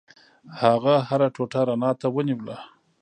هغه هره ټوټه رڼا ته ونیوله.